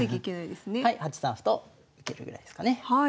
８三歩と受けるぐらいですかね。